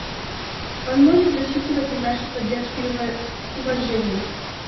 Он может рассчитывать на нашу поддержку и уважение.